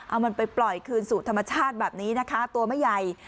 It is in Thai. เอามันไปปล่อยคืนสู่ธรรมชาติแบบนี้นะคะตัวไม่ใหญ่